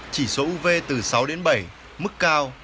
chỉ số uv từ sáu bảy là mức cao